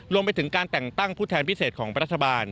รวมไปถึงการแต่งตั้งผู้แทนพิเศษของรัฐบาล